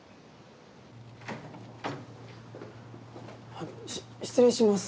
あっし失礼します。